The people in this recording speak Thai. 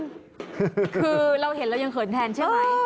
คือเราเห็นเรายังเขินแทนใช่ไหม